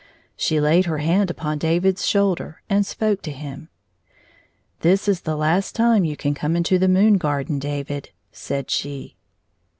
She laid her hand upon David's shoulder and spoke to him. " This is the last time you can come into the moon garden, David," said she.